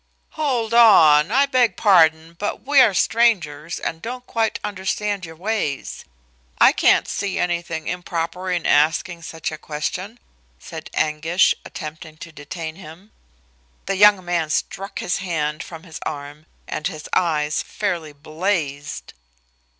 "Hold on! I beg pardon, but we are strangers and don't quite understand your ways. I can't see anything improper in asking such a question," said Anguish, attempting to detain him. The young man struck his hand from his arm and his eyes fairly blazed.